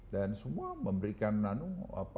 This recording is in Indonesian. dan semua memberikan nano apa